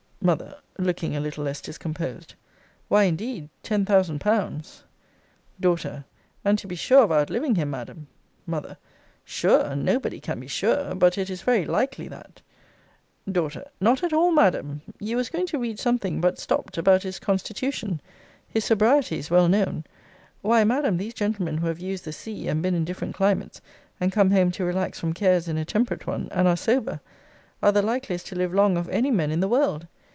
M. [Looking a little less discomposed] why, indeed, ten thousand pounds D. And to be sure of outliving him, Madam! M. Sure! nobody can be sure but it is very likely that D. Not at all, Madam. You was going to read something (but stopped) about his constitution: his sobriety is well known Why, Madam, these gentlemen who have used the sea, and been in different climates, and come home to relax from cares in a temperate one, and are sober are the likeliest to live long of any men in the world.